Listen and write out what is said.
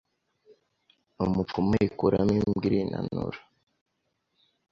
Umupfumu ayikuramo Imbwa irinanura